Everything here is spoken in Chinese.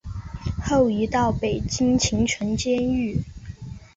后移到北京秦城监狱。